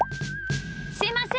すいません！